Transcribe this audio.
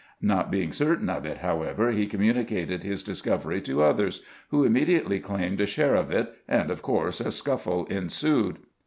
Not being certain of it, however, he communicated his discovery to others, who immediately claimed a share of it, and of course a scuffle ensued.